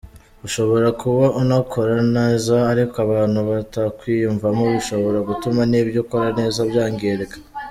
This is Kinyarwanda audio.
Ushobora kuba unakora neza ariko abantu batakwiyumvamo, bishobora gutuma n’ibyo ukora neza byangirika’.